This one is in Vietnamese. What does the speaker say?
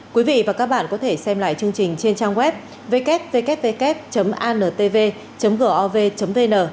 quý vị và các bạn có thể xem lại chương trình trên trang web wwww antv gov vn